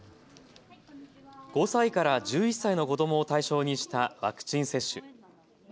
５歳から１１歳の子どもを対象にしたワクチン接種。